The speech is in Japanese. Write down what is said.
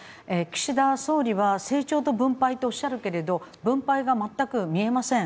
岸田総理は成長と分配とおっしゃるけれど分配が全く見えません。